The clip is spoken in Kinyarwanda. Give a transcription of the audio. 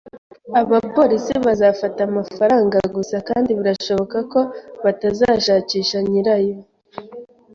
Abapolisi bazafata amafaranga gusa kandi birashoboka ko batazashakisha nyirayo